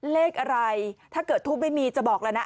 เลขอะไรถ้าเกิดทูปไม่มีจะบอกแล้วนะ